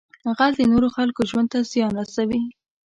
غل د نورو خلکو ژوند ته زیان رسوي